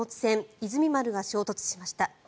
「いずみ丸」が衝突しました。